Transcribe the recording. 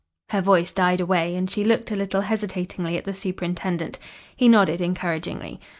Her voice died away and she looked a little hesitatingly at the superintendent. He nodded encouragingly.